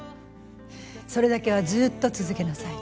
それだけはずっと続けなさい。